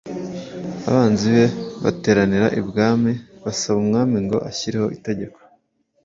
Abanzi be bateranira i bwami basaba umwami ngo ashyireho itegeko